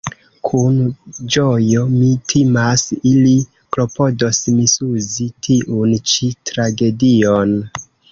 Kun ĝojo – mi timas – ili klopodos misuzi tiun ĉi tragedion.